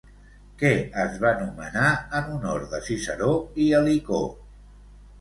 Què es va nomenar en honor de Citeró i Helicó?